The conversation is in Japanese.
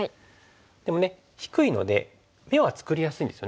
でもね低いので眼は作りやすいんですよね。